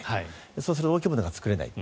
そうすると大きいものが作れない。